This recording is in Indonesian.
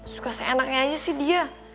suka seenaknya aja sih dia